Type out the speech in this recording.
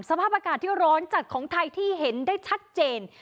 สภาพอากาศที่ร้อนจัดของไทยที่เห็นได้ชัดเจน